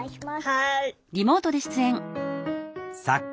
はい。